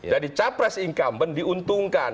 jadi capres incumbent diuntungkan